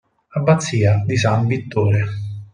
Abbazia di San Vittore